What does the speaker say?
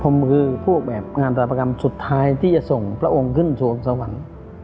ผมคือพวกแบบงานตราประกรรมสุดท้ายที่จะส่งพระองค์ขึ้นสู่สวรรค์